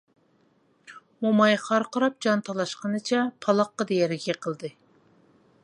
موماي خارقىراپ جان تالاشقىنىچە پالاققىدە يەرگە يىقىلدى.